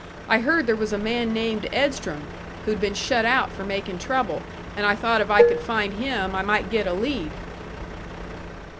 I heard there was a man named Edstrom, who'd been shut out for making trouble; and I thought if I could find him, I might get a lead."